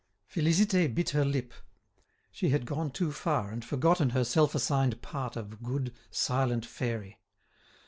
Félicité bit her lip. She had gone too far and forgotten her self assigned part of good, silent fairy.